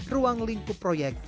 ruang lingkup proyek